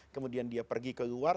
kemudian dia pergi ke luar